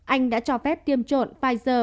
anh đã cho phép tiêm trộn pfizer